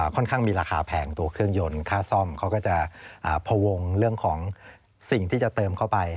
ค่อนข้างมีราคาแพงตัวเครื่องยนต์ค่าซ่อมเขาก็จะพวงเรื่องของสิ่งที่จะเติมเข้าไป